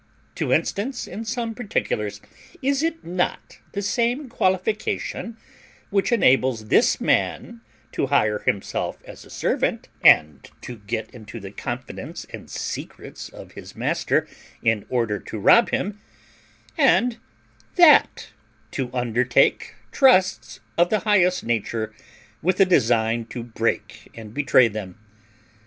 To instance in some particulars: is it not the same qualification which enables this man to hire himself as a servant, and to get into the confidence and secrets of his master in order to rob him, and that to undertake trusts of the highest nature with a design to break and betray them?